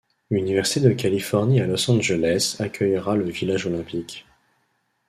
Université de Californie à Los Angeles accuellera le village olympique.